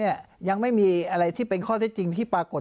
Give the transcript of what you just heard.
ยังไม่มีอะไรที่เป็นข้อเท็จจริงที่ปรากฏ